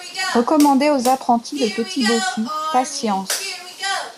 Recommandait aux apprentis le petit bossu, patience!